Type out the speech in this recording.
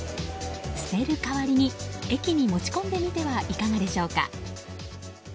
捨てる代わりに駅に持ち込んでみてはいかがでしょうか。